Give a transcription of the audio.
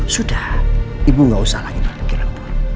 sudah ibu gak usah lagi berpikiran